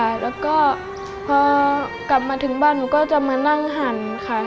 แล้วก็พอกลับมาถึงบ้านหนูก็จะมานั่งหั่นค่ะ